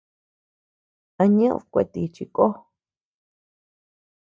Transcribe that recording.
¿A ñeʼed kuetíchi ko?